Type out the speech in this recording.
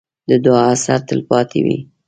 د دعا اثر تل پاتې وي.